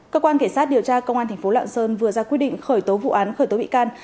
cơ quan cảnh sát điều tra công an tp lạng sơn vừa ra quyết định khởi tố vụ án khởi tố bị can